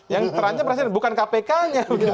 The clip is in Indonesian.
yang teranjak presiden bukan kpk nya